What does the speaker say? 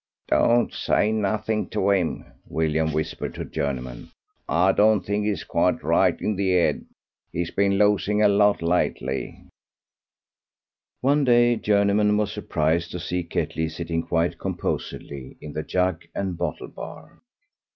"Don't say nothing to him," William whispered to Journeyman. "I don't think he's quite right in 'is 'ead; he's been losing a lot lately." One day Journeyman was surprised to see Ketley sitting quite composedly in the jug and bottle bar.